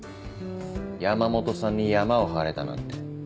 山本さんにヤマを張れだなんて。